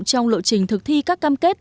trong lộ trình thực thi các cam kết